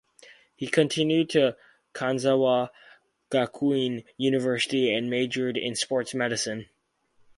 He continued to Kanazawa Gakuin University and majored in sports medicine.